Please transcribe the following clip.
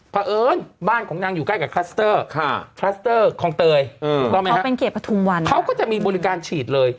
พระเอิญบ้านของนางอยู่ใกล้กับคลัสเตอร์คลัสเตอร์คองเตยเขาก็จะมีบริการฉีดเลย